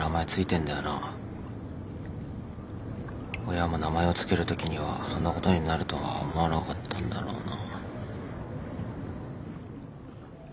親も名前をつけるときにはそんなことになるとは思わなかったんだろうなぁ。